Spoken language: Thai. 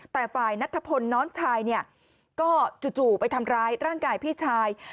แต่ฝ่ายนัทธพลน้องชายเนี่ยก็จู่ไปทำร้ายร่างกายพี่ชาย